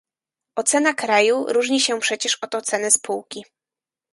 Ocena kraju różni się przecież od oceny spółki